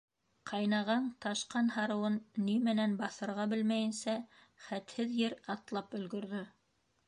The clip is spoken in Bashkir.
Ҡайнаған, ташҡан һарыуын ни менән баҫырға белмәйенсә, хәтһеҙ ер атлап өлгөрҙө.